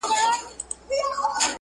زما مطلب دادی